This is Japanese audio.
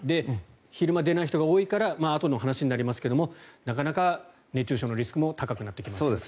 昼間出ない人が多いからあとの話になりますがなかなか熱中症のリスクも高くなってくると。